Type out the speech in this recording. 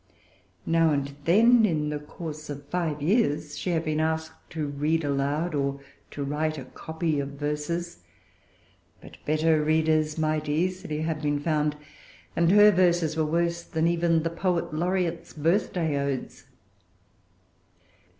Now and then, in the course of five years, she had been asked to read aloud or to write a copy of verses. But better readers might easily have been found; and her verses were worse than even the Poet Laureate's Birthday Odes.